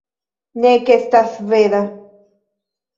... nek estas sveda